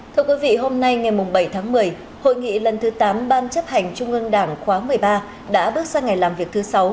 thưa quý vị hôm nay ngày bảy tháng một mươi hội nghị lần thứ tám ban chấp hành trung ương đảng khóa một mươi ba đã bước sang ngày làm việc thứ sáu